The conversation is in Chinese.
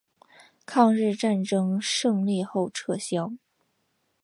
抗日战争胜利后撤销。